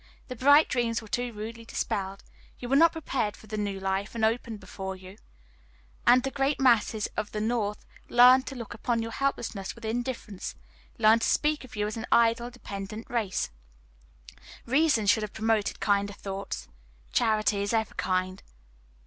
The bright dreams were too rudely dispelled; you were not prepared for the new life that opened before you, and the great masses of the North learned to look upon your helplessness with indifference learned to speak of you as an idle, dependent race. Reason should have prompted kinder thoughts. Charity is ever kind.